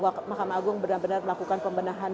mahkamah agung benar benar melakukan pembenahan